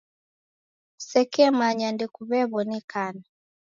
Kusekemanya ndekuw'ew'onekana.